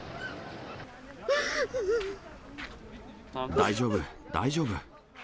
大丈夫、大丈夫。